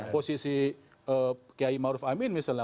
posisi kiai maruf amin misalnya